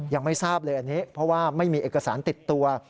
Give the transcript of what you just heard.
ยังไม่ทราบเลยอันนี้เพราะว่าไม่มีเอกสารติดตัว